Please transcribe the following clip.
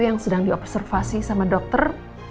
yang sedang di observasi sama dokter